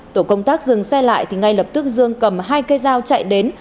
tổ công tác dừng xe lại thì ngay lập tức dương cầm hai cây dao chạy đến